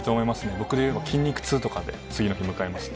僕も筋肉痛とかで次の日、迎えますね。